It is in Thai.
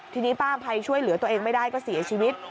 ทีนี้ป้าอภัยช่วยเหลือตัวเองไม่ได้ก็เสียชีวิต